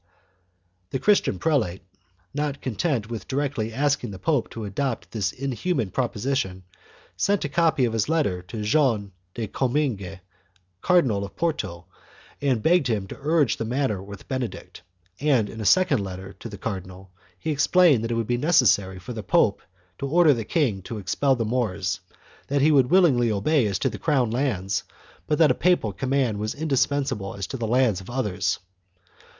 The Christian prelate, not content with directly asking the pope to adopt this inhuman proposition, sent a copy of his letter to Jean de Comminges, Cardinal of Porto, and begged him to urge the matter with Benedict, and in a second letter to the cardinal he explained that it would be necessary for the pope to order the king to expel the Moors; that he would willingly obey as to the crown lands, but that a papal command was indispensable as to the lands of others.